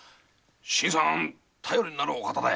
新さんは頼りになるお方だ。